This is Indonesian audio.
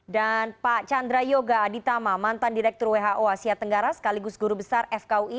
dan pak chandra yoga aditama mantan direktur who asia tenggara sekaligus guru besar fkui